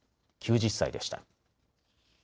９０歳でした。